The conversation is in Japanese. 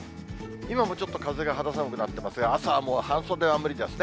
今もちょっと風が肌寒くなってますが、朝はもう半袖は無理ですね。